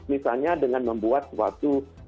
misalnya dengan membuat suatu